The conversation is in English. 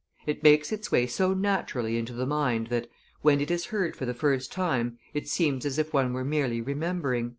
It makes its way so naturally into the mind, that, when it is heard for the first time, it seems as if one were merely remembering."